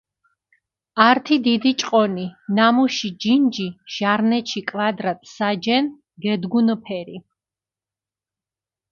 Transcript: ართი დიდი ჭყონი, ნამუში ჯინჯი ჟარნეჩი კვადრატ საჯენ გედგუნფერი.